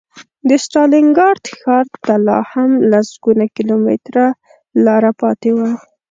د ستالینګراډ ښار ته لا هم لسګونه کیلومتره لاره پاتې وه